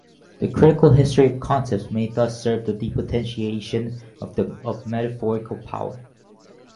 The critical history of concepts may thus serve the depotentiation of metaphorical power.